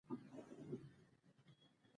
ماشومان د ګډو لوبو له لارې نوې تجربې ترلاسه کوي